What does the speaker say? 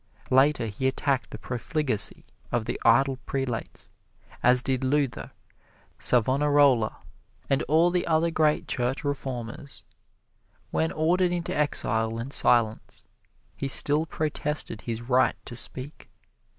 Later, he attacked the profligacy of the idle prelates, as did Luther, Savonarola and all the other great church reformers. When ordered into exile and silence, he still protested his right to speak.